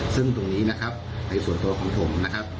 ซึ่งตรงนี้นะครับในส่วนตัวของผมนะครับ